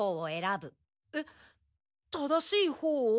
えっ正しいほうを？